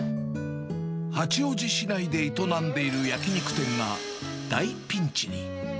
八王子市内で営んでいる焼き肉店が大ピンチに。